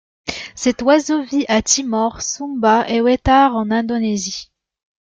Cet oiseau vit à Timor, Sumba et Wetar en Indonésie.